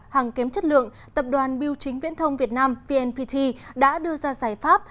hàng kém chất lượng tập đoàn biêu chính viễn thông việt nam vnpt đã đưa ra giải pháp